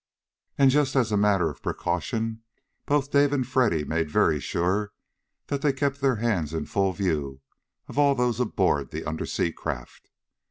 And just as a matter of precaution both Dave and Freddy made very sure that they kept their hands in full view of all those aboard the undersea craft.